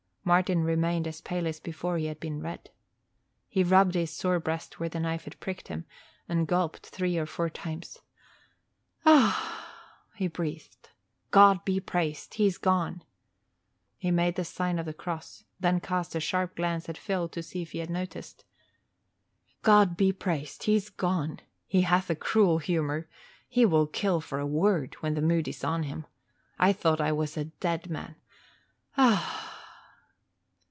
Martin remained as pale as before he had been red. He rubbed his sore breast where the knife had pricked him, and gulped three or four times. "Ah h h!" he breathed. "God be praised, he's gone!" He made the sign of the cross, then cast a sharp glance at Phil to see if he had noticed. "God be praised, he's gone! He hath a cruel humour. He will kill for a word, when the mood is on him. I thought I was a dead man. Ah h h!"